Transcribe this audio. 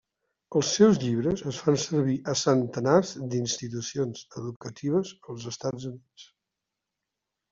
Els seus llibres es fan servir a centenars d'institucions educatives als Estats Units.